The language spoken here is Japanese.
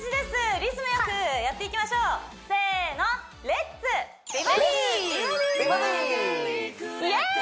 リズムよくやっていきましょうせーのイエイ！